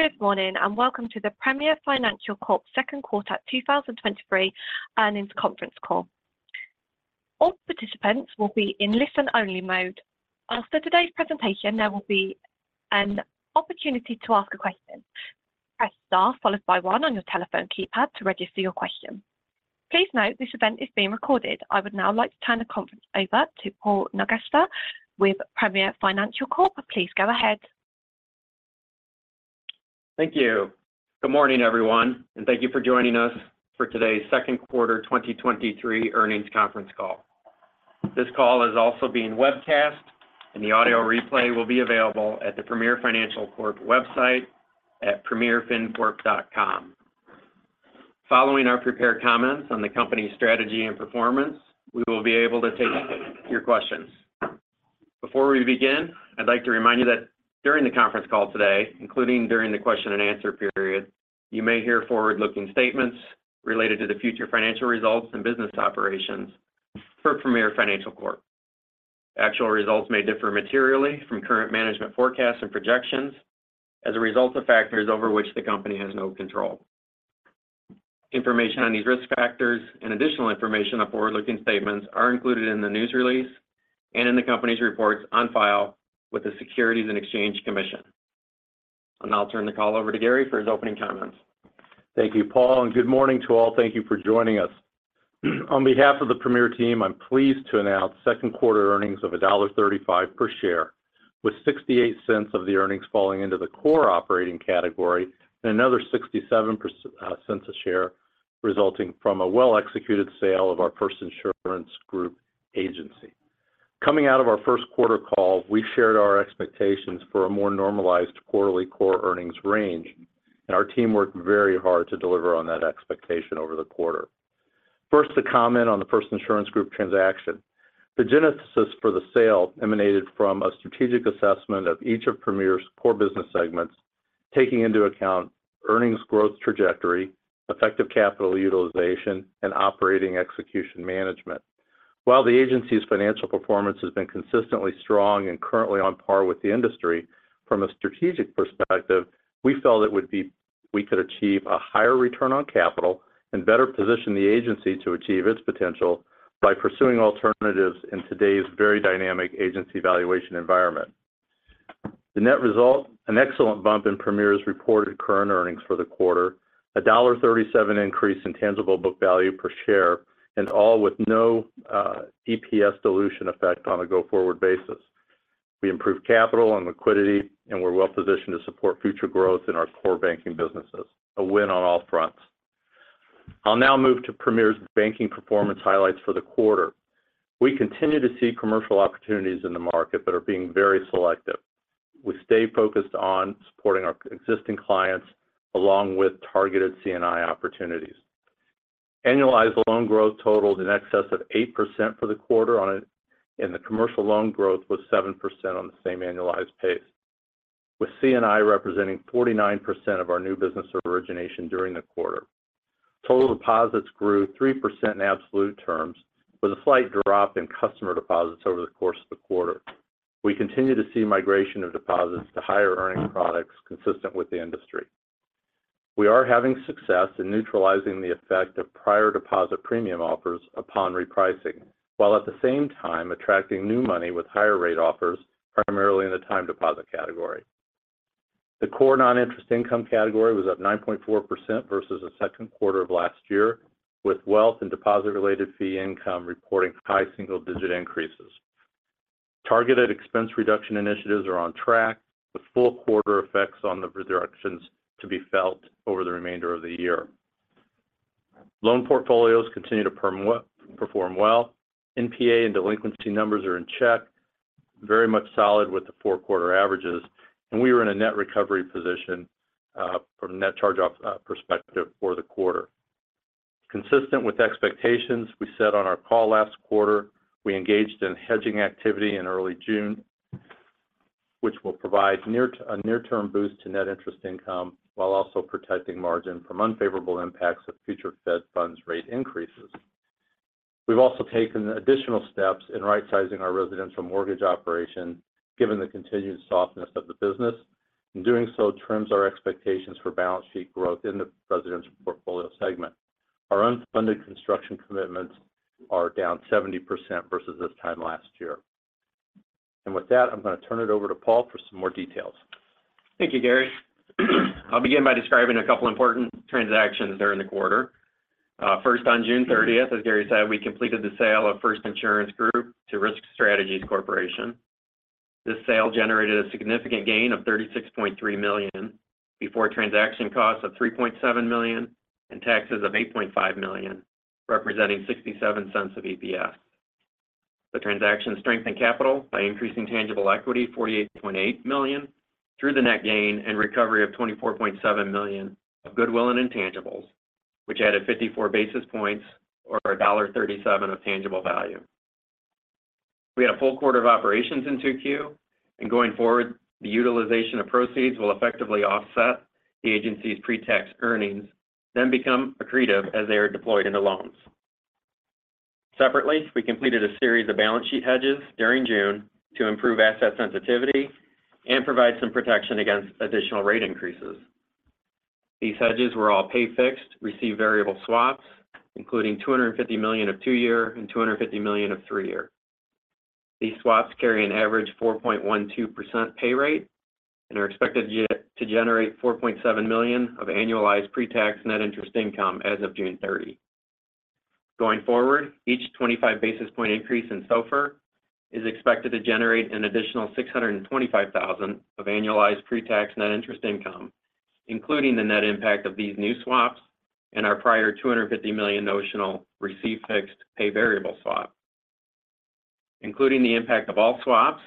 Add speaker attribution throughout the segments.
Speaker 1: Good morning. Welcome to the Premier Financial Corp's Second Quarter 2023 Earnings Conference Call. All participants will be in listen-only mode. After today's presentation, there will be an opportunity to ask a question. Press star followed by one on your telephone keypad to register your question. Please note, this event is being recorded. I would now like to turn the conference over to Paul Nungester with Premier Financial Corp. Please go ahead.
Speaker 2: Thank you. Good morning, everyone, and thank you for joining us for today's Second Quarter 2023 Earnings Conference Call. This call is also being webcast, and the audio replay will be available at the Premier Financial Corp website at premierfincorp.com. Following our prepared comments on the company's strategy and performance, we will be able to take your questions. Before we begin, I'd like to remind you that during the conference call today, including during the question and answer period, you may hear forward-looking statements related to the future financial results and business operations for Premier Financial Corp. Actual results may differ materially from current management forecasts and projections as a result of factors over which the company has no control. Information on these risk factors and additional information on forward-looking statements are included in the news release and in the company's reports on file with the Securities and Exchange Commission. I'll now turn the call over to Gary for his opening comments.
Speaker 3: Thank you, Paul. Good morning to all. Thank you for joining us. On behalf of the Premier team, I'm pleased to announce second quarter earnings of $1.35 per share, with $0.68 of the earnings falling into the core operating category and another $0.67 a share resulting from a well-executed sale of our First Insurance Group agency. Coming out of our first quarter call, we shared our expectations for a more normalized quarterly core earnings range. Our team worked very hard to deliver on that expectation over the quarter. First, to comment on the personal insurance group transaction. The genesis for the sale emanated from a strategic assessment of each of Premier's core business segments, taking into account earnings growth trajectory, effective capital utilization, and operating execution management. While the agency's financial performance has been consistently strong and currently on par with the industry, from a strategic perspective, we felt we could achieve a higher return on capital and better position the agency to achieve its potential by pursuing alternatives in today's very dynamic agency valuation environment. The net result, an excellent bump in Premier's reported current earnings for the quarter, a $1.37 increase in tangible book value per share, and all with no EPS dilution effect on a go-forward basis. We improved capital and liquidity, and we're well positioned to support future growth in our core banking businesses. A win on all fronts. I'll now move to Premier's banking performance highlights for the quarter. We continue to see commercial opportunities in the market but are being very selective. We stay focused on supporting our existing clients along with targeted C&I opportunities. Annualized loan growth totaled in excess of 8% for the quarter. The commercial loan growth was 7% on the same annualized pace, with C&I representing 49% of our new business origination during the quarter. Total deposits grew 3% in absolute terms, with a slight drop in customer deposits over the course of the quarter. We continue to see migration of deposits to higher-earning products consistent with the industry. We are having success in neutralizing the effect of prior deposit premium offers upon repricing, while at the same time attracting new money with higher rate offers, primarily in the time deposit category. The core non-interest income category was up 9.4% versus the second quarter of last year, with wealth and deposit-related fee income reporting high single-digit increases. Targeted expense reduction initiatives are on track, with full quarter effects on the reductions to be felt over the remainder of the year. Loan portfolios continue to perform well. NPA and delinquency numbers are in check, very much solid with the four-quarter averages, and we are in a net recovery position from a net charge-off perspective for the quarter. Consistent with expectations we set on our call last quarter, we engaged in hedging activity in early June, which will provide a near-term boost to net interest income, while also protecting margin from unfavorable impacts of future Fed funds rate increases. We've also taken additional steps in right-sizing our residential mortgage operation, given the continued softness of the business, and doing so trims our expectations for balance sheet growth in the residential portfolio segment. Our unfunded construction commitments are down 70% versus this time last year. With that, I'm going to turn it over to Paul for some more details.
Speaker 2: Thank you, Gary. I'll begin by describing a couple important transactions during the quarter. First, on June 30th, as Gary said, we completed the sale of First Insurance Group to Risk Strategies Corporation. This sale generated a significant gain of $36.3 million, before transaction costs of $3.7 million and taxes of $8.5 million, representing $0.67 of EPS. The transaction strengthened capital by increasing tangible equity $48.8 million through the net gain and recovery of $24.7 million of goodwill and intangibles, which added 54 basis points or $1.37 of tangible value. We had a full quarter of operations in 2Q. Going forward, the utilization of proceeds will effectively offset the agency's pre-tax earnings, become accretive as they are deployed into loans. Separately, we completed a series of balance sheet hedges during June to improve asset sensitivity and provide some protection against additional rate increases. These hedges were all pay fixed, receive variable swaps, including $250 million of 2-year and $250 million of 3-year. These swaps carry an average 4.12% pay rate and are expected yet to generate $4.7 million of annualized pre-tax net interest income as of June 30. Going forward, each 25 basis point increase in SOFR is expected to generate an additional $625,000 of annualized pre-tax net interest income, including the net impact of these new swaps and our prior $250 million notional receive fixed, pay variable swap. Including the impact of all swaps,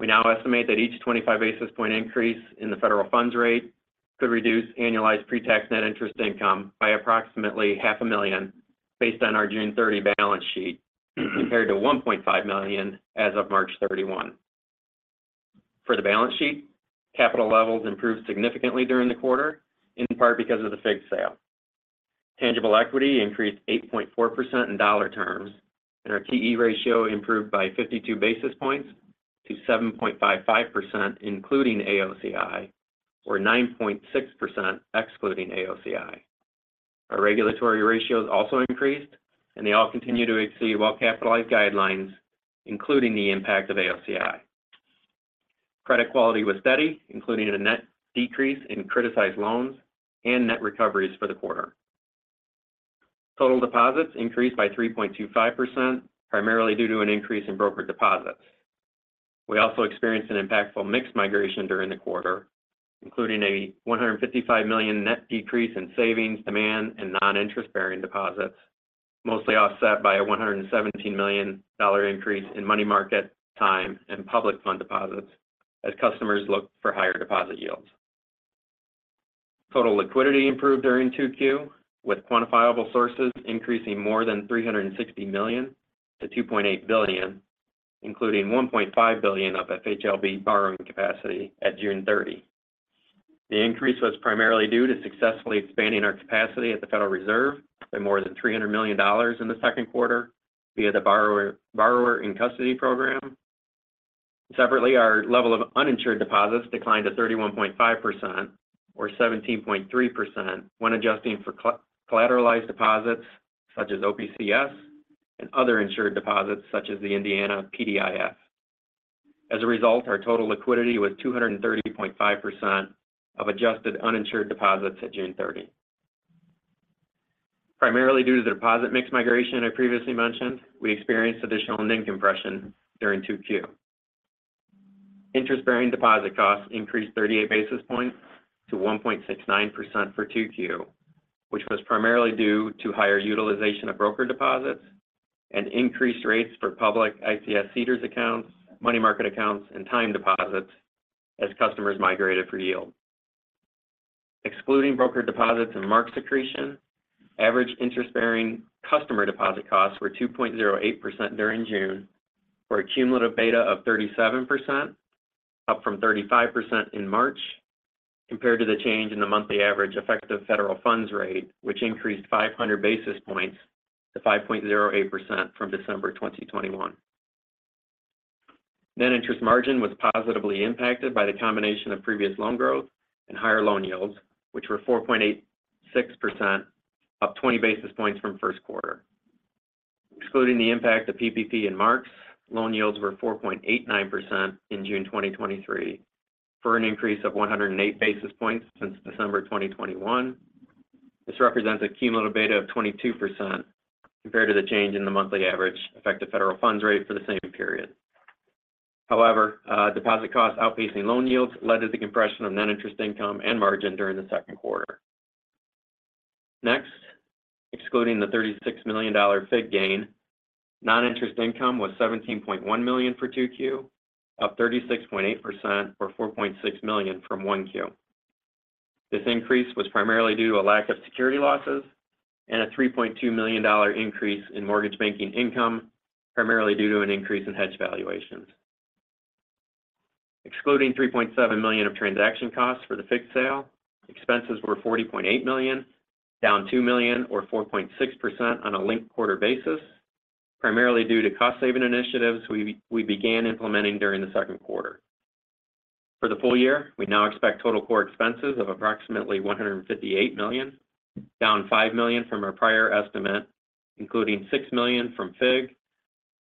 Speaker 2: we now estimate that each 25 basis point increase in the federal funds rate could reduce annualized pre-tax net interest income by approximately half a million, based on our June 30 balance sheet, compared to $1.5 million as of March 31. For the balance sheet, capital levels improved significantly during the quarter, in part because of the FIG sale. Tangible equity increased 8.4% in dollar terms, and our TE ratio improved by 52 basis points to 7.55%, including AOCI, or 9.6%, excluding AOCI. Our regulatory ratios also increased, they all continue to exceed well-capitalized guidelines, including the impact of AOCI. Credit quality was steady, including a net decrease in criticized loans and net recoveries for the quarter. Total deposits increased by 3.25%, primarily due to an increase in broker deposits. We also experienced an impactful mix migration during the quarter, including a $155 million net decrease in savings, demand, and non-interest-bearing deposits, mostly offset by a $117 million increase in money market, time, and public fund deposits as customers look for higher deposit yields. Total liquidity improved during 2Q, with quantifiable sources increasing more than $360 million to $2.8 billion, including $1.5 billion of FHLB borrowing capacity at June 30. The increase was primarily due to successfully expanding our capacity at the Federal Reserve by more than $300 million in the second quarter via the Borrower-in-Custody program. Separately, our level of uninsured deposits declined to 31.5% or 17.3% when adjusting for collateralized deposits such as OPCS and other insured deposits such as the Indiana PDIF. As a result, our total liquidity was 230.5% of adjusted uninsured deposits at June 30. Primarily due to the deposit mix migration I previously mentioned, we experienced additional margin compression during 2Q. Interest-bearing deposit costs increased 38 basis points to 1.69% for 2Q, which was primarily due to higher utilization of broker deposits and increased rates for public ICS/CDARS accounts, money market accounts, and time deposits as customers migrated for yield. Excluding broker deposits and marks accretion, average interest-bearing customer deposit costs were 2.08% during June, for a cumulative beta of 37%, up from 35% in March, compared to the change in the monthly average effective Federal funds rate, which increased 500 basis points to 5.08% from December 2021. Net interest margin was positively impacted by the combination of previous loan growth and higher loan yields, which were 4.86%, up 20 basis points from first quarter. Excluding the impact of PPP and marks, loan yields were 4.89% in June 2023, for an increase of 108 basis points since December 2021. This represents a cumulative beta of 22% compared to the change in the monthly average effective Federal funds rate for the same period. Deposit costs outpacing loan yields led to the compression of net interest income and margin during the second quarter. Excluding the $36 million FIG gain, non-interest income was $17.1 million for 2Q, up 36.8% or $4.6 million from 1Q. This increase was primarily due to a lack of security losses and a $3.2 million increase in mortgage banking income, primarily due to an increase in hedge valuations. Excluding $3.7 million of transaction costs for the FIG sale, expenses were $40.8 million, down $2 million or 4.6% on a linked quarter basis, primarily due to cost-saving initiatives we began implementing during the second quarter. For the full year, we now expect total core expenses of approximately $158 million, down $5 million from our prior estimate, including $6 million from FIG,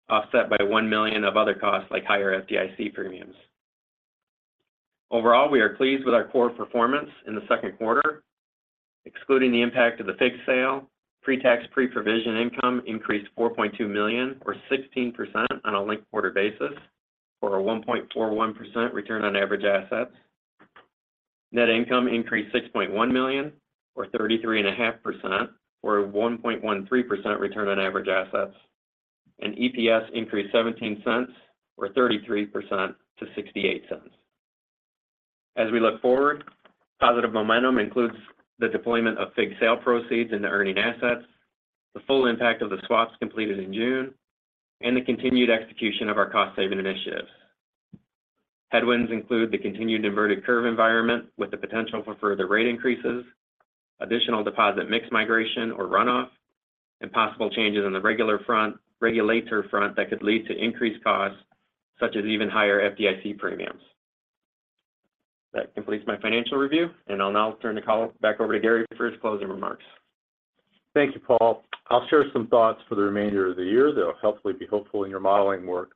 Speaker 2: offset by $1 million of other costs, like higher FDIC premiums. Overall, we are pleased with our core performance in the second quarter. Excluding the impact of the FIG sale, pre-tax, pre-provision income increased $4.2 million or 16% on a linked quarter basis, for a 1.41% return on average assets. Net income increased $6.1 million or 33.5%, for a 1.13% return on average assets, and EPS increased $0.17 or 33% to $0.68. As we look forward, positive momentum includes the deployment of FIG sale proceeds into earning assets, the full impact of the swaps completed in June, and the continued execution of our cost-saving initiatives. Headwinds include the continued inverted curve environment with the potential for further rate increases, additional deposit mix migration or runoff, and possible changes in the regulator front that could lead to increased costs, such as even higher FDIC premiums. That completes my financial review, and I'll now turn the call back over to Gary for his closing remarks.
Speaker 3: Thank you, Paul. I'll share some thoughts for the remainder of the year that will hopefully be helpful in your modeling work.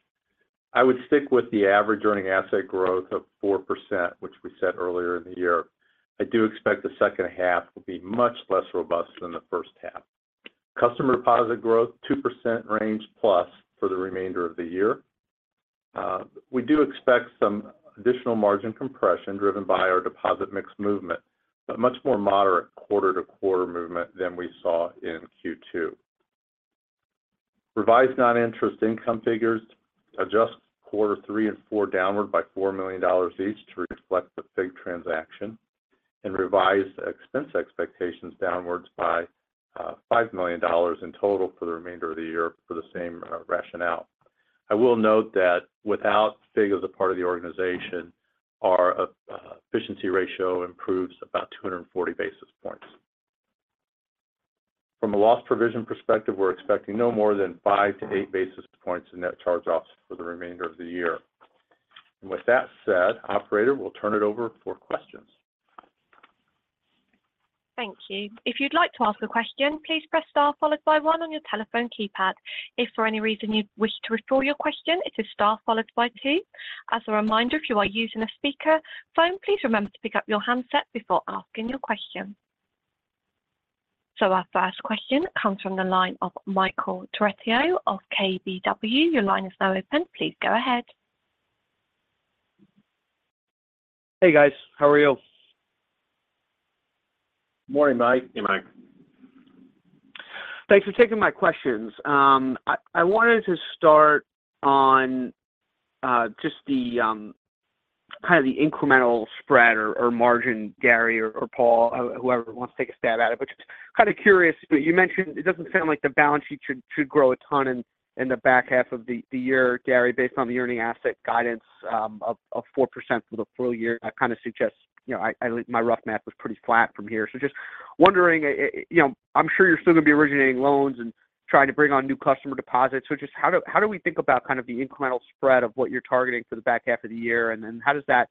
Speaker 3: I would stick with the average earning asset growth of 4%, which we set earlier in the year. I do expect the second half will be much less robust than the first half. Customer deposit growth, 2% range plus for the remainder of the year. We do expect some additional margin compression driven by our deposit mix movement, but much more moderate quarter-to-quarter movement than we saw in Q2. Revised non-interest income figures adjust quarter three and four downward by $4 million each to reflect the FIG transaction and revised expense expectations downwards by $5 million in total for the remainder of the year for the same rationale. I will note that without FIG as a part of the organization, our efficiency ratio improves about 240 basis points. From a loss provision perspective, we're expecting no more than 5-8 basis points in net charge-offs for the remainder of the year. With that said, operator, we'll turn it over for questions.
Speaker 1: Thank you. If you'd like to ask a question, please press star followed by one on your telephone keypad. If for any reason you wish to withdraw your question, it is star followed by two. As a reminder, if you are using a speakerphone, please remember to pick up your handset before asking your question. Our first question comes from the line of Michael Perito of KBW. Your line is now open. Please go ahead.
Speaker 4: Hey, guys. How are you?
Speaker 3: Morning, Mike.
Speaker 2: Hey, Mike.
Speaker 4: Thanks for taking my questions. I wanted to start on just the kind of the incremental spread or margin, Gary or Paul, whoever wants to take a stab at it. Which is kind of curious, but you mentioned it doesn't sound like the balance sheet should grow a ton in the back half of the year, Gary, based on the earning asset guidance of 4% for the full year. That kind of suggests, you know, my rough math was pretty flat from here. Just wondering, you know, I'm sure you're still going to be originating loans and trying to bring on new customer deposits. Just how do we think about kind of the incremental spread of what you're targeting for the back half of the year? How does that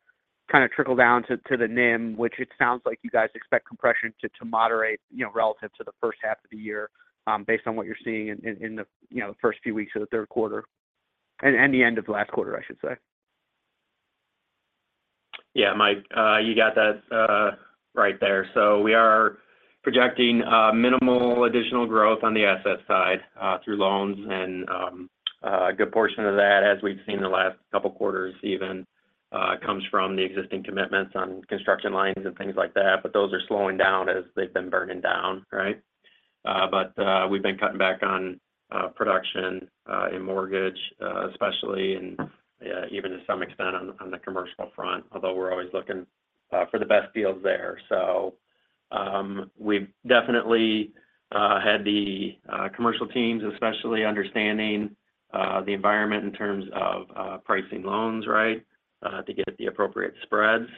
Speaker 4: kind of trickle down to the NIM, which it sounds like you guys expect compression to moderate, you know, relative to the first half of the year, based on what you're seeing in the, you know, first few weeks of the third quarter, and the end of last quarter, I should say.
Speaker 2: Yeah, Mike, you got that right there. We are projecting minimal additional growth on the asset side through loans. A good portion of that, as we've seen in the last couple of quarters even, comes from the existing commitments on construction lines and things like that, but those are slowing down as they've been burning down, right? We've been cutting back on production in mortgage especially, and even to some extent on the commercial front, although we're always looking for the best deals there. We've definitely had the commercial teams, especially understanding the environment in terms of pricing loans, right, to get the appropriate spreads.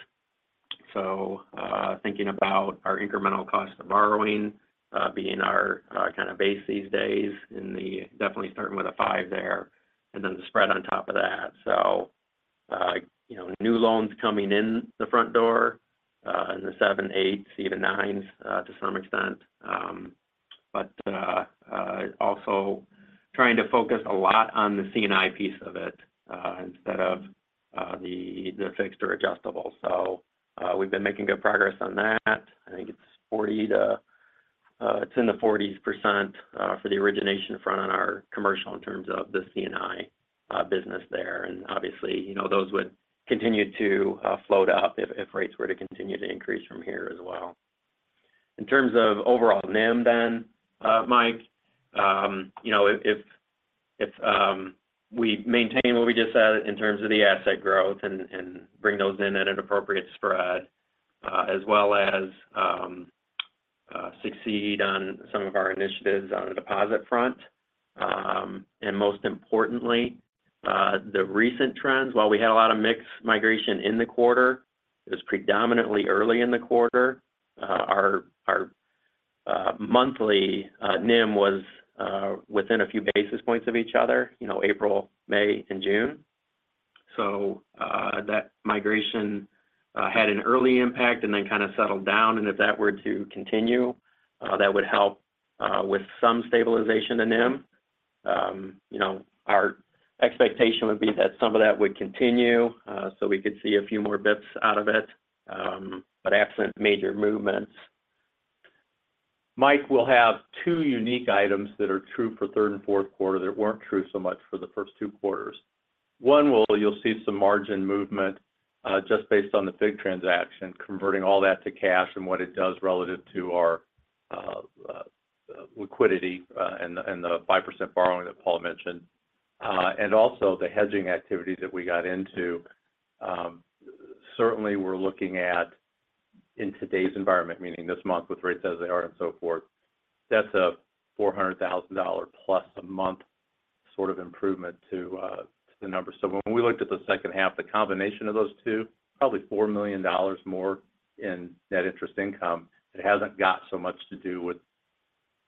Speaker 2: Thinking about our incremental cost of borrowing, being our kind of base these days and definitely starting with a five there, and then the spread on top of that. You know, new loans coming in the front door, in the seven, eight, even nine, to some extent. But also trying to focus a lot on the C&I piece of it, instead of the fixed or adjustable. We've been making good progress on that. I think it's in the 40s % for the origination front on our commercial in terms of the C&I business there. Obviously, you know, those would continue to float up if rates were to continue to increase from here as well. In terms of overall NIM, then, Mike, you know, if we maintain what we just said in terms of the asset growth and bring those in at an appropriate spread, as well as succeed on some of our initiatives on the deposit front. Most importantly, the recent trends, while we had a lot of mix migration in the quarter, it was predominantly early in the quarter. Our monthly NIM was within a few basis points of each other, you know, April, May, and June. That migration had an early impact and then kind of settled down, and if that were to continue, that would help with some stabilization in NIM. You know, our expectation would be that some of that would continue, so we could see a few more bits out of it, but absent major movements.
Speaker 3: Mike, we'll have two unique items that are true for third and fourth quarter that weren't true so much for the first two quarters. One, well, you'll see some margin movement, just based on the FIG transaction, converting all that to cash and what it does relative to our liquidity, and the 5% borrowing that Paul mentioned. Also the hedging activity that we got into, certainly we're looking at in today's environment, meaning this month with rates as they are and so forth, that's a $400,000 plus a month sort of improvement to the numbers. When we looked at the second half, the combination of those two, probably $4 million more in net interest income, it hasn't got so much to do with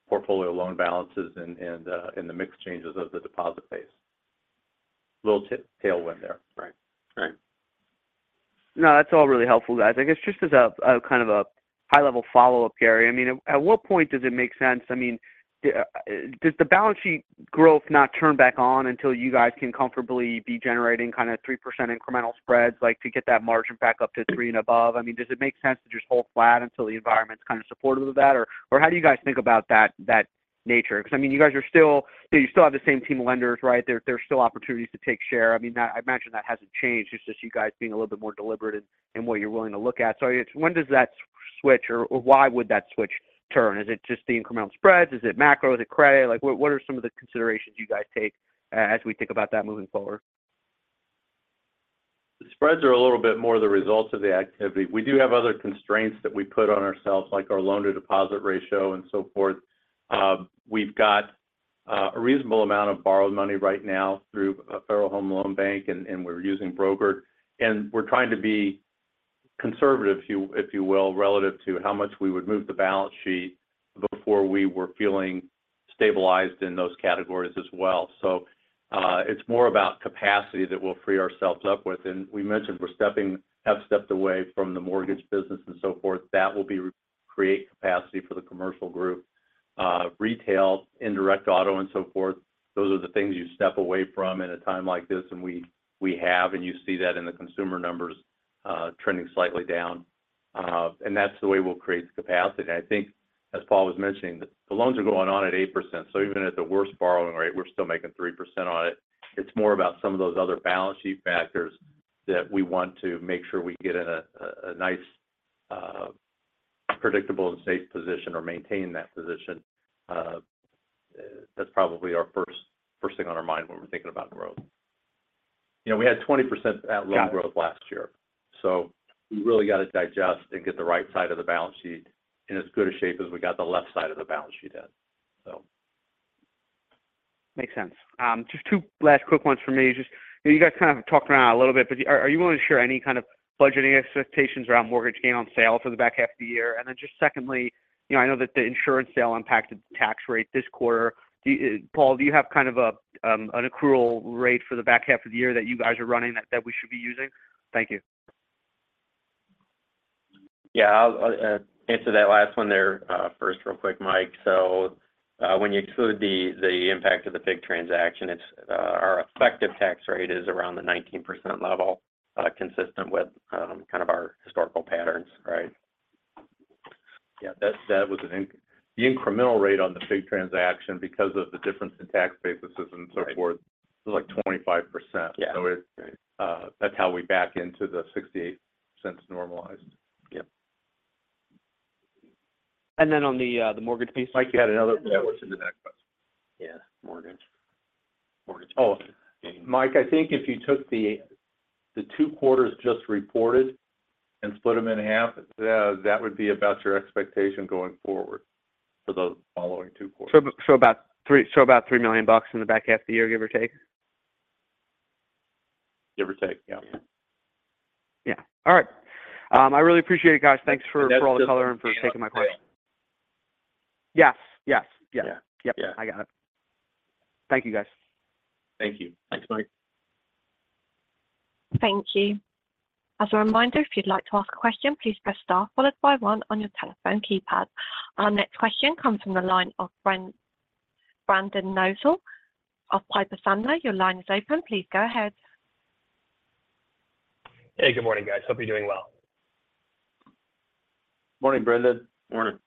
Speaker 3: portfolio loan balances and the mix changes of the deposit base. Little tailwind there. Right
Speaker 2: Right.
Speaker 4: No, that's all really helpful, guys. I guess just as a kind of a high-level follow-up, Gary, I mean, does the balance sheet growth not turn back on until you guys can comfortably be generating kind of 3% incremental spreads, like to get that margin back up to 3 and above? I mean, does it make sense to just hold flat until the environment's kind of supportive of that? Or how do you guys think about that nature? Because, I mean, you still have the same team of lenders, right? There are still opportunities to take share. I mean, I imagine that hasn't changed. It's just you guys being a little bit more deliberate in what you're willing to look at. When does that switch, or why would that switch turn? Is it just the incremental spreads? Is it macro? Is it credit? Like, what are some of the considerations you guys take as we think about that moving forward?
Speaker 3: The spreads are a little bit more the results of the activity. We do have other constraints that we put on ourselves, like our loan-to-deposit ratio and so forth. We've got a reasonable amount of borrowed money right now through a Federal Home Loan Bank, and we're using brokered. We're trying to be conservative, if you will, relative to how much we would move the balance sheet before we were feeling stabilized in those categories as well. It's more about capacity that we'll free ourselves up with. We mentioned we've stepped away from the mortgage business and so forth. That will create capacity for the commercial group. Retail, indirect auto, and so forth, those are the things you step away from in a time like this, and we have, and you see that in the consumer numbers, trending slightly down. That's the way we'll create the capacity. I think, as Paul Nungester was mentioning, the loans are going on at 8%, so even at the worst borrowing rate, we're still making 3% on it. It's more about some of those other balance sheet factors that we want to make sure we get in a nice, predictable and safe position or maintain that position. That's probably our first thing on our mind when we're thinking about growth. You know, we had 20% at loan growth last year, so we really got to digest and get the right side of the balance sheet in as good a shape as we got the left side of the balance sheet in.
Speaker 4: Makes sense. Just two last quick ones for me. Just, you know, you guys kind of talked around a little bit, but are you willing to share any kind of budgeting expectations around mortgage gain on sale for the back half of the year? Just secondly, you know, I know that the insurance sale impacted the tax rate this quarter. Do you Paul, do you have kind of a an accrual rate for the back half of the year that you guys are running that we should be using? Thank you.
Speaker 2: Yeah, I'll answer that last one there, first real quick, Mike. When you include the impact of the FIG transaction, it's our effective tax rate is around the 19% level, consistent with kind of our historical patterns, right?
Speaker 3: Yeah, that was the incremental rate on the FIG transaction, because of the difference in tax basis and so forth.
Speaker 2: Right.
Speaker 3: was like 25%.
Speaker 2: Yeah.
Speaker 3: So it-
Speaker 2: Right.
Speaker 3: That's how we back into the $0.68 normalized.
Speaker 2: Yep.
Speaker 4: on the mortgage piece.
Speaker 3: Mike, you had another that was in the next question.
Speaker 2: Yeah, mortgage. Mortgage.
Speaker 3: Mike, I think if you took the two quarters just reported and split them in half, that would be about your expectation going forward for the following two quarters.
Speaker 4: About $3 million in the back half of the year, give or take?
Speaker 3: Give or take, yeah.
Speaker 2: Yeah.
Speaker 4: Yeah. All right. I really appreciate it, guys. Thanks.
Speaker 2: That's.
Speaker 4: for all the color and for taking my questions. Yes. Yes.
Speaker 2: Yeah.
Speaker 4: Yep.
Speaker 2: Yeah.
Speaker 4: I got it. Thank you, guys.
Speaker 2: Thank you.
Speaker 3: Thanks, Mike.
Speaker 1: Thank you. As a reminder, if you'd like to ask a question, please press star followed by one on your telephone keypad. Our next question comes from the line of Brendan Nosal of Piper Sandler. Your line is open. Please go ahead.
Speaker 5: Hey, good morning, guys. Hope you're doing well.
Speaker 3: Morning, Brendan.
Speaker 2: Morning.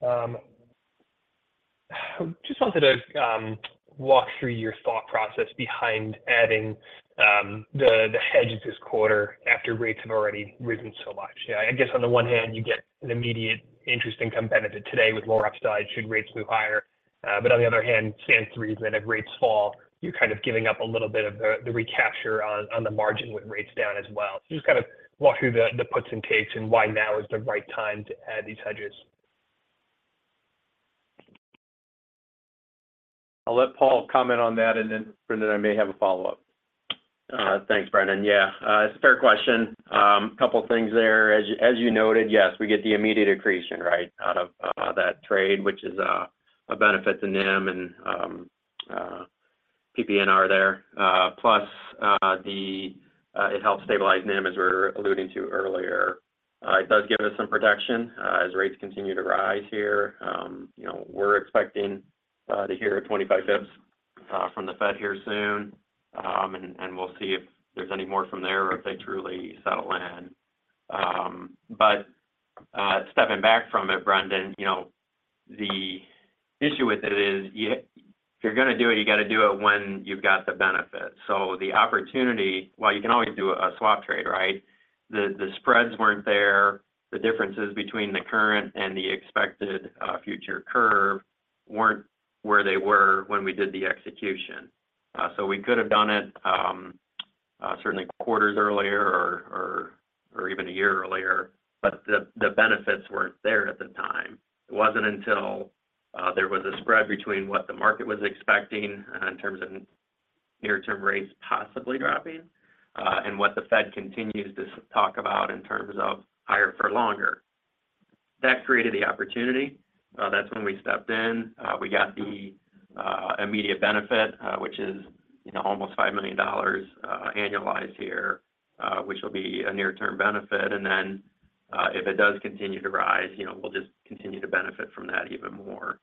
Speaker 5: Just wanted to walk through your thought process behind adding the hedge this quarter after rates have already risen so much. I guess on the one hand, you get an immediate interest income benefit today with lower upside should rates move higher. On the other hand, stand to reason that if rates fall, you're kind of giving up a little bit of the recapture on the margin with rates down as well. Just kind of walk through the puts and takes and why now is the right time to add these hedges.
Speaker 3: I'll let Paul comment on that, and then, Brendan, I may have a follow-up.
Speaker 2: Thanks, Brendan. Yeah, it's a fair question. A couple of things there. As you, as you noted, yes, we get the immediate accretion, right, out of that trade, which is a benefit to NIM and PPNR there. Plus, it helps stabilize NIM, as we were alluding to earlier. It does give us some protection as rates continue to rise here. You know, we're expecting to hear a 25 basis points from the Fed here soon. We'll see if there's any more from there or if they truly settle in. Stepping back from it, Brendan, you know, the issue with it is, if you're going to do it, you got to do it when you've got the benefit. The opportunity. While you can always do a swap trade, right? The spreads weren't there. The differences between the current and the expected future curve weren't where they were when we did the execution. We could have done it certainly quarters earlier or even a year earlier, but the benefits weren't there at the time. It wasn't until there was a spread between what the market was expecting in terms of near-term rates possibly dropping and what the Fed continues to talk about in terms of higher for longer. That created the opportunity, that's when we stepped in. We got the immediate benefit, which is, you know, almost $5 million annualized here, which will be a near-term benefit. If it does continue to rise, you know, we'll just continue to benefit from that even more.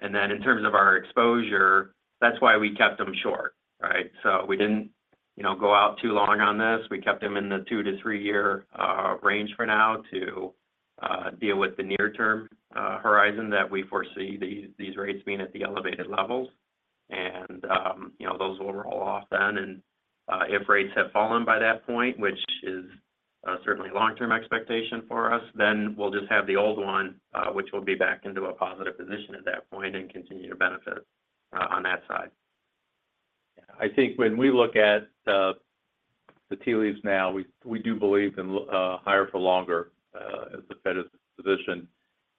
Speaker 2: In terms of our exposure, that's why we kept them short, right? We didn't, you know, go out too long on this. We kept them in the two to three range for now to deal with the near-term horizon that we foresee these rates being at the elevated levels. You know, those will roll off then. If rates have fallen by that point, which is certainly a long-term expectation for us, we'll just have the old one, which will be back into a positive position at that point and continue to benefit on that side.
Speaker 3: I think when we look at the tea leaves now, we do believe in higher for longer as the Fed's position.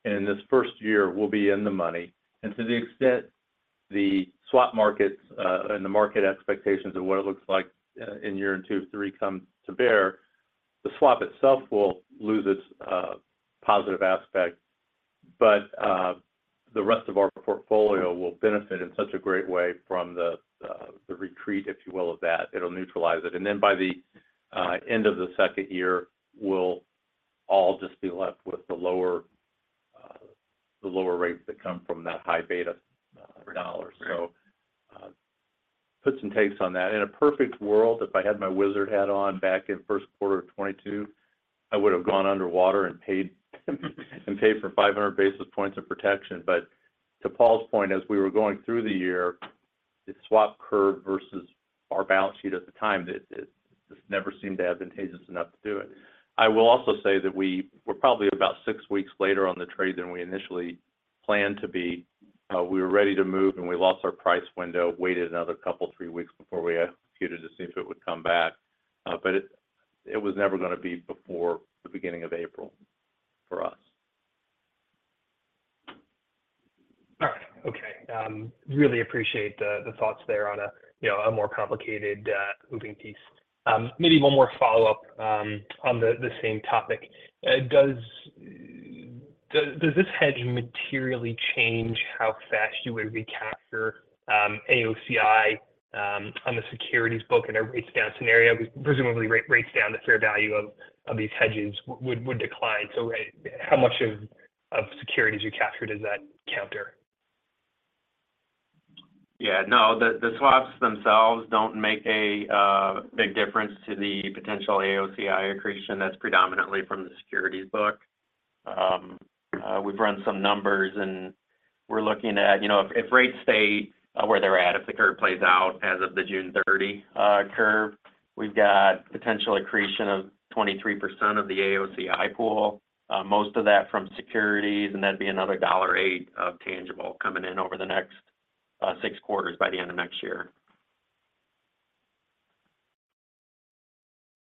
Speaker 3: In this first year, we'll be in the money. To the extent the swap markets and the market expectations of what it looks like in year two, three come to bear, the swap itself will lose its positive aspect. The rest of our portfolio will benefit in such a great way from the retreat, if you will, of that. It'll neutralize it. Then by the end of the second year, we'll all just be left with the lower rates that come from that high beta dollar. Put some takes on that. In a perfect world, if I had my wizard hat on back in first quarter of 2022, I would have gone underwater and paid for 500 basis points of protection. To Paul's point, as we were going through the year, the swap curve versus our balance sheet at the time, it just never seemed advantageous enough to do it. I will also say that we were probably about six weeks later on the trade than we initially planned to be. We were ready to move, and we lost our price window, waited another couple, three weeks before we executed to see if it would come back. It was never going to be before the beginning of April for us.
Speaker 5: All right. Okay, really appreciate the thoughts there on a, you know, a more complicated moving piece. Maybe one more follow-up on the same topic. Does this hedge materially change how fast you would recapture AOCI on the securities book in a rates down scenario? Presumably, rates down the fair value of these hedges would decline. How much of securities you captured does that counter?
Speaker 2: Yeah, no. The swaps themselves don't make a big difference to the potential AOCI accretion that's predominantly from the securities book. We've run some numbers, we're looking at, you know, if rates stay where they're at, if the curve plays out as of the June 30 curve, we've got potential accretion of 23% of the AOCI pool, most of that from securities, that'd be another $1.08 of tangible coming in over the next six quarters by the end of next year.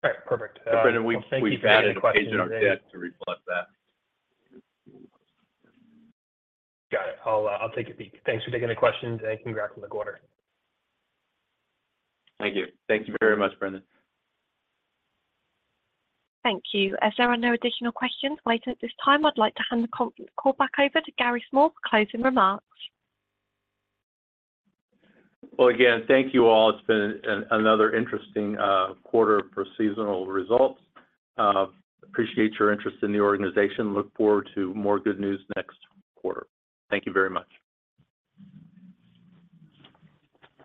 Speaker 5: All right. Perfect.
Speaker 3: Brendan, we've added a page in our deck to reflect that.
Speaker 5: Got it. I'll take it. Thanks for taking the questions, and congrats on the quarter.
Speaker 2: Thank you. Thank you very much, Brendan.
Speaker 1: Thank you. As there are no additional questions waiting at this time, I'd like to hand the call back over to Gary Small for closing remarks.
Speaker 3: Well, again, thank you all. It's been another interesting quarter for seasonal results. Appreciate your interest in the organization. Look forward to more good news next quarter. Thank you very much.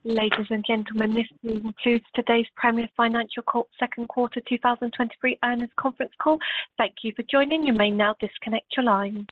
Speaker 1: Ladies and gentlemen, this concludes today's Premier Financial second quarter 2023 earnings conference call. Thank you for joining. You may now disconnect your lines.